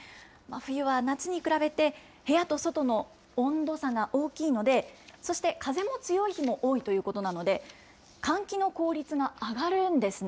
冬は夏に比べて、部屋と外の温度差が大きいので、そして、風の強い日も多いということなので、換気の効率が上がるんですね。